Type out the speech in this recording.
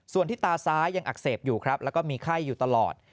ส่วนที่ตาซ้ายยังอักเสบอยู่ครับแล้วก็มีไข้อยู่ตลอด